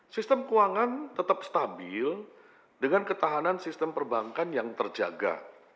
sistem keuangan tetap stabil dengan ketahanan sistem perbankan yang terjaga